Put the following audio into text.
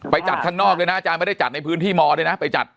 จัดข้างนอกเลยนะอาจารย์ไม่ได้จัดในพื้นที่มด้วยนะไปจัด